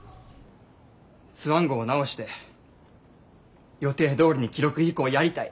スワン号を直して予定どおりに記録飛行やりたい。